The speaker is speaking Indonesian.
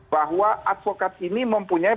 bahwa advokat ini mempunyai